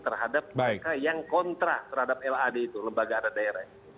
terhadap mereka yang kontra terhadap lad itu lembaga adat daerah